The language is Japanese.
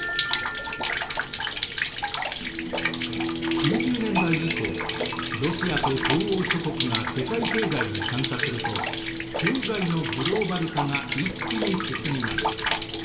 ９０年代以降ロシアと東欧諸国が世界経済に参加すると経済のグローバル化が一気に進みます。